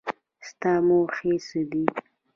ستا موخې څه دي ؟